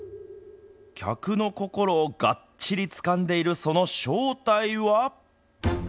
客の心をがっちりつかんでいるその正体は。